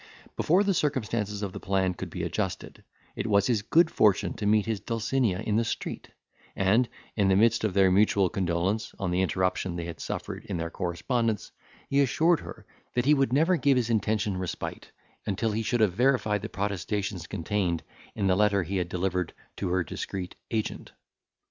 Before the circumstances of the plan could be adjusted, it was his good fortune to meet his Dulcinea in the street, and, in the midst of their mutual condolence on the interruption they had suffered in their correspondence, he assured her, that he would never give his invention respite, until he should have verified the protestations contained in the letter he had delivered to her discreet agent.